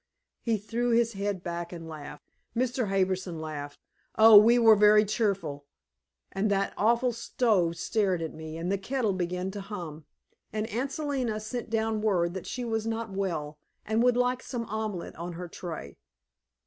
He threw his head back and laughed. Mr. Harbison laughed. Oh, we were very cheerful! And that awful stove stared at me, and the kettle began to hum, and Aunt Selina sent down word that she was not well, and would like some omelet on her tray.